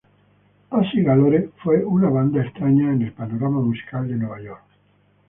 Pussy Galore fue una banda extraña en el panorama musical de Nueva York.